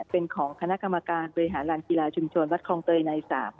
เป็นของคณะกรรมการบริหารลานกีฬาชุมชนวัดคลองเตยใน๓